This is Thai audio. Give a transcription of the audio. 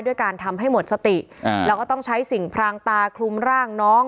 การทำให้หมดสติแล้วก็ต้องใช้สิ่งพรางตาคลุมร่างน้อง